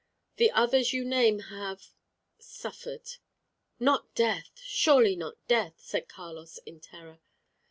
The others you name have suffered." "Not death! surely not death!" said Carlos, in terror.